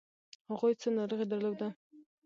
هغوی څه ناروغي درلوده؟